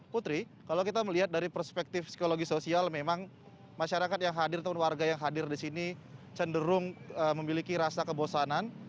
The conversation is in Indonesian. putri kalau kita melihat dari perspektif psikologi sosial memang masyarakat yang hadir atau warga yang hadir di sini cenderung memiliki rasa kebosanan